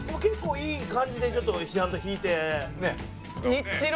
結構いい感じでちょっとちゃんと引いて。